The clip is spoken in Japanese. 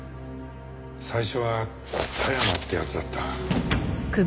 最初は田山って奴だった。